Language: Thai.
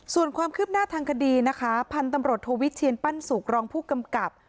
ส่วนความคืบหน้าทางคดีนะคะพันธุ์ตำรวจโทวิเชียนปั้นสุกรองผู้กำกับ